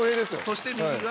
そして右が？